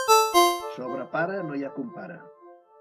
Sobre pare no hi ha compare.